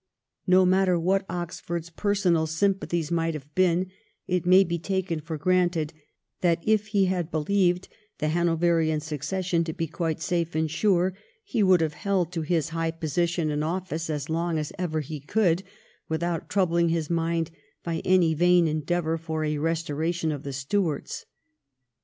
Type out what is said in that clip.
No matter what Oxford's personal sym pathies might have been, it may be taken for granted that if he had believed the Hanoverian succession to be quite safe and sure he would have held to his high position in office as long as ever he could, without troubling his mind by any vain endeavour for a restoration of the Stuarts.